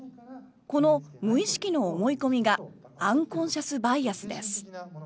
この無意識の思い込みがアンコンシャス・バイアスです。